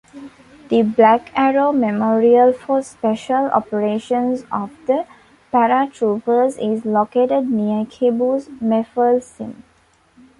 The "Black Arrow"-memorial for special operations of the paratroopers is located near kibbuz Mefalsim.